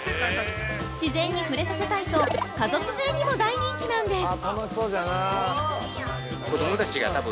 自然に触れさせたいと家族連れにも大人気なんです。